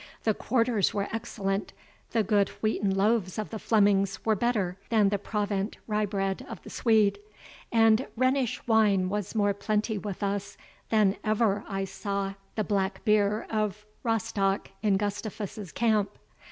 The quarters were excellent; the good wheaten loaves of the Flemings were better than the Provant rye bread of the Swede, and Rhenish wine was more plenty with us than ever I saw the black beer of Rostock in Gustavus's camp.